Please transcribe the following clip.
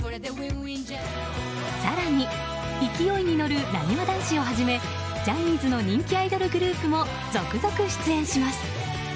更に、勢いに乗るなにわ男子をはじめジャニーズの人気アイドルグループも続々出演します。